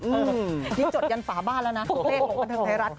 อืมยิ้มจดยันฝาบ้านแล้วนะโอ้โหโอ้โหโอ้โหโอ้โหโอ้โห